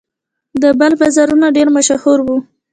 د بلخ بازارونه ډیر مشهور وو